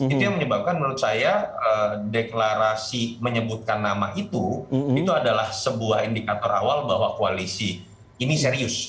itu yang menyebabkan menurut saya deklarasi menyebutkan nama itu itu adalah sebuah indikator awal bahwa koalisi ini serius